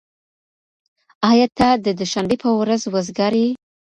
ايا ته د دوشنبې په ورځ وزګار يې؟